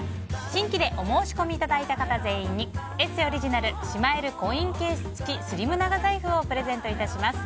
新規でお申し込みいただいた方全員に「ＥＳＳＥ」オリジナルしまえるコインケース付きスリム長財布をプレゼントいたします。